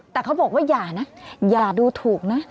แต่เขาบอกว่าอย่านะอย่าดูถูกนะ